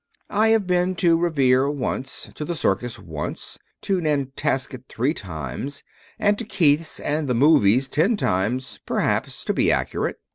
"I have been to Revere once, to the circus once, to Nantasket three times, and to Keith's and the 'movies' ten times, perhaps to be accurate.